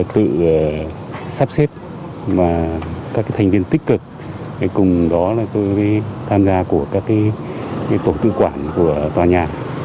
tự sắp xếp và các thành viên tích cực cùng đó là tôi tham gia của các tổ tự quản của tòa nhà